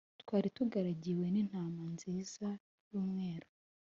twari turagiwe n'intama nziza y'umweru,